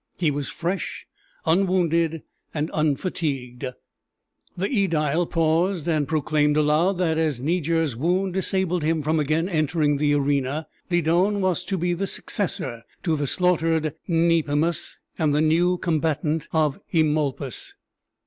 He was fresh, unwounded, unfatigued. The ædile paused, and proclaimed aloud that as Niger's wound disabled him from again entering the arena, Lydon was to be the successor to the slaughtered Nepimus and the new combatant of Eumolpus.